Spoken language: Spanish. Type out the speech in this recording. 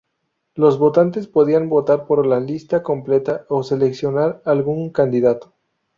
Los votantes podían votar por la lista completa o seleccionar algún candidato.